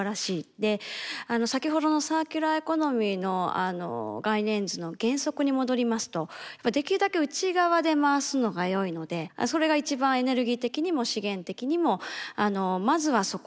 で先ほどのサーキュラーエコノミーの概念図の原則に戻りますとできるだけ内側で回すのが良いのでそれが一番エネルギー的にも資源的にもまずはそこ。